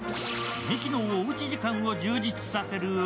ミキのおうち時間を充実させる